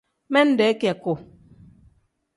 Minde kiyaku.